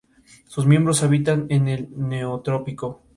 Actualmente es uno de los rascacielos más altos de la Avenida Balboa.